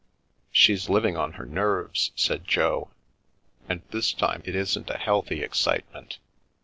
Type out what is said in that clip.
" She's living on her nerves," said Jo, " and this time it isn't a healthy excitement.